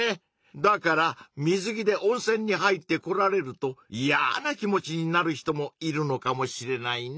だから水着で温泉に入ってこられるといやな気持ちになる人もいるのかもしれないね。